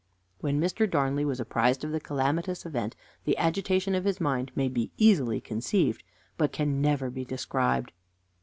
When Mr. Darnley was apprised of the calamitous event, the agitation of his mind may be easily conceived, but can never be described.